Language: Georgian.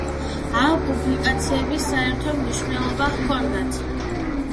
ამ პუბლიკაციების საერო მნიშვნელობა ჰქონდათ.